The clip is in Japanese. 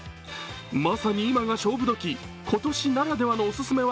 まさに今が勝負時、今年ならではのオススメは？